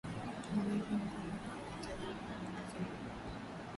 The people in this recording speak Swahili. maanake ni kwamba wanahitaji maji mengi zaidi